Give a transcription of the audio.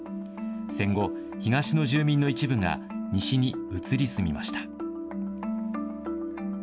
戦後、東の住民の一部が西に移り住みました。